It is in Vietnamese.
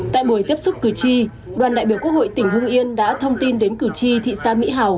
tại buổi tiếp xúc cử tri đoàn đại biểu quốc hội tỉnh hưng yên đã thông tin đến cử tri thị xã mỹ hào